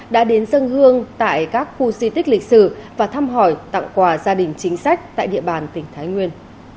đã đến dân hương tại các khu di tích lịch sử và thăm hỏi tặng quà gia đình chính sách tại địa bàn tỉnh thái nguyên